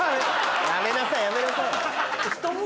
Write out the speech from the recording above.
やめなさいやめなさい。